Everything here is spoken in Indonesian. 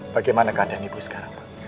bagaimana keadaan ibu sekarang pak